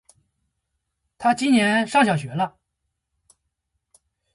他今年上小学了